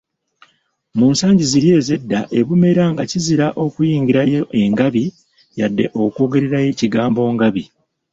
Mu nsangi ziri ez'edda, e Bumera nga kizira okuyiggirayo engabi, yadde okwogererayo ekigambo Ngabi.